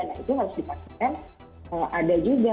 nah itu harus dipastikan ada juga